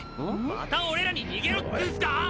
また俺らに逃げろっつうんスか！